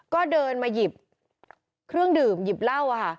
ก็เดินมาหยิบเครื่องดื่มหยิบเหล้าค่ะ